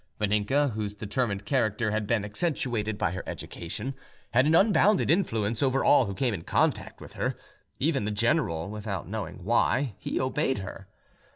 Vaninka, whose determined character had been accentuated by her education, had an unbounded influence over all who came in contact with her; even the general, without knowing why, obeyed her.